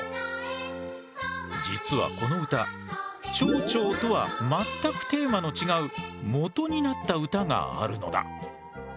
実はこの歌ちょうちょうとは全くテーマの違うもとになった歌があるのだ。